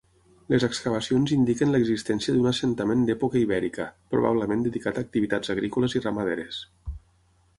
Les excavacions indiquen l'existència d'un assentament d'època ibèrica probablement dedicat a activitats agrícoles i ramaderes.